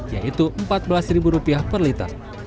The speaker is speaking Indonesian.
yaitu rp empat belas per liter